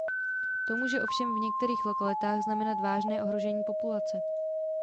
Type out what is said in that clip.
To může ovšem v některých lokalitách znamenat vážné ohrožení populace.